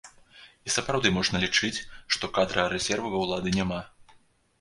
І сапраўды можна лічыць, што кадравага рэзерву ва ўлады няма.